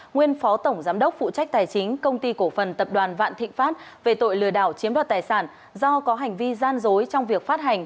nguyên phó tổng giám đốc phụ trách tài chính công ty cổ phần tập đoàn vạn thịnh pháp về tội lừa đảo chiếm đoạt tài sản do có hành vi gian dối trong việc phát hành